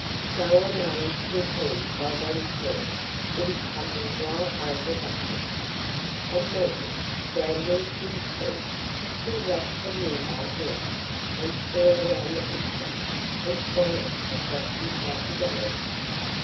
So amazed was he by what he saw that he tumbled right over backwards. And then, scrambling to his feet, he wrapped the rhubarb leaf hastily around the picture and slung it across his back again.